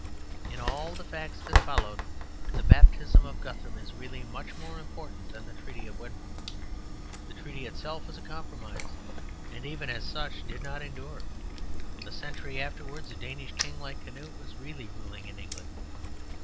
In all the facts that followed, the baptism of Guthrum is really much more important than the Treaty of Wedmore. The treaty itself was a compromise, and even as such did not endure; a century afterwards a Danish king like Canute was really ruling in England.